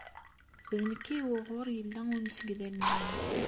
D nekk ay wuɣur yella umsegdal-nwen.